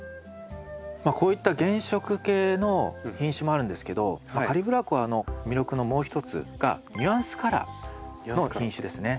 こういった原色系の品種もあるんですけどカリブラコアの魅力のもう一つがニュアンスカラーの品種ですね。